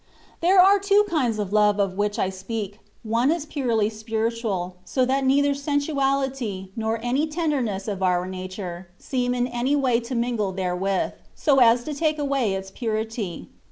There are two kinds of love of which I speak : one is purely spiritual, so that neither sensuality, nor any tenderness of our nature, seem in any way to mingle therewith, so as to take away its purity.